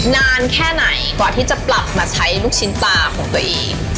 นานแค่ไหนกว่าที่จะปรับมาใช้ลูกชิ้นปลาของตัวเอง